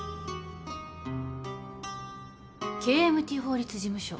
ＫＭＴ法律事務所。